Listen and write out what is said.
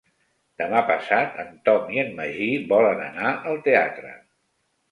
Demà passat en Tom i en Magí volen anar al teatre.